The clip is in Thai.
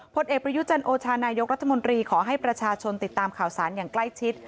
ผลเอกประยุจันโอชานายกรัฐมนตรีขอให้ประชาชนติดตามข่าวสารอย่างใกล้ชิด